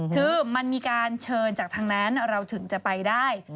คือมันมีการเชิญจากทางนั้นเราถึงจะไปได้